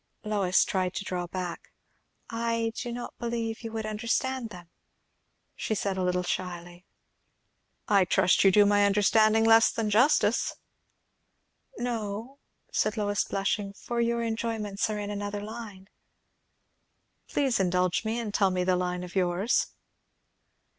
Lois tried to draw back. "I do not believe you would understand them," she said a little shyly. "I trust you do my understanding less than justice!" "No," said Lois, blushing, "for your enjoyments are in another line." "Please indulge me, and tell me the line of yours."